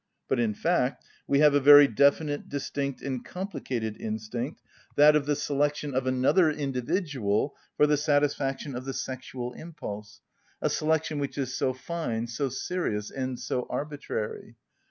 But, in fact, we have a very definite, distinct, and complicated instinct, that of the selection of another individual for the satisfaction of the sexual impulse, a selection which is so fine, so serious, and so arbitrary.